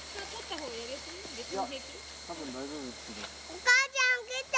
お母ちゃん来て！